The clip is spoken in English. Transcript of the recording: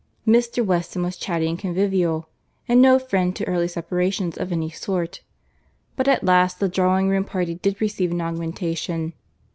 Mr. Weston was chatty and convivial, and no friend to early separations of any sort; but at last the drawing room party did receive an augmentation.